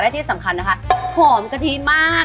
และที่สำคัญนะคะหอมกะทิมาก